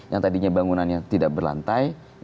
yang tadinya bangunan yang tidak berlantai